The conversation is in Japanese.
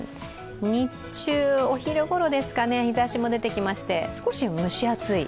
日中、お昼ごろには日ざしも出てきまして、少し蒸し暑い。